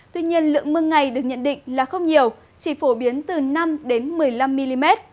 tuy nhiên lượng mưa ngày được nhận định là không nhiều chỉ phổ biến từ năm một mươi năm mm